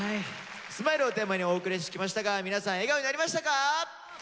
「ＳＭＩＬＥ」をテーマにお送りしてきましたが皆さん笑顔になりましたか？